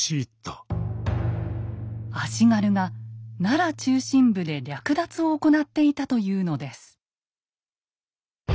足軽が奈良中心部で略奪を行っていたというのです。